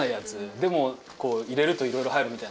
でも入れるといろいろ入るみたいなさ。